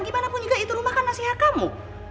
gimana pun juga itu rumah kan nasihat kamu